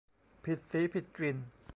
ผิดสีผิดกลิ่น